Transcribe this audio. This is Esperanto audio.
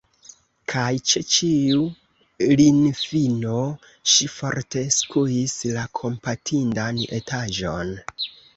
Kaj ĉe ĉiu linifino ŝi forte skuis la kompatindan etaĵon.